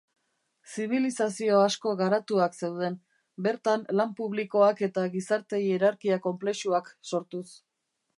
Zibilizazio asko garatuak zeuden, bertan lan publikoak eta gizarte hierarkia konplexuak sortuz.